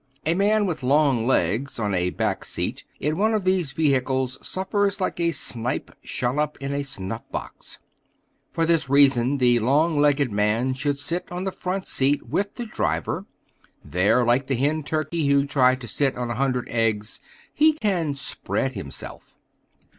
A man with long legs, on a back seat, in one of these vehicles, suffers like a snipe shut up in a snuff box. For this reason, the long legged man should sit on the front seat with the driver; there, like the hen turkey who tried to sit on a hundred eggs, he can "spread himself."